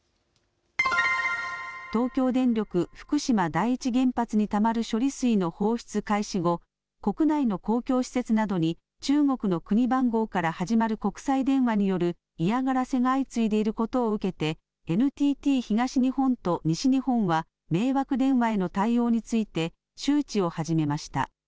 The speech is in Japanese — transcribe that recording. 東京電力福島第一原発にたまる処理水の放出開始後、国内の公共施設などに、中国の国番号から始まる国際電話による嫌がらせが相次いでいることを受けて、ＮＴＴ東日本と西日本は、迷惑電話への対応について、周知を始めました。